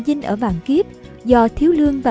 dinh ở vạn kiếp do thiếu lương và